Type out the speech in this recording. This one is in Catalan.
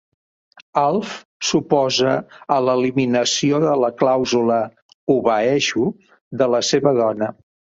Alf s'oposa a l'eliminació de la clàusula "Obeeixo" de la seva dona.